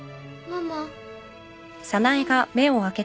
ママ。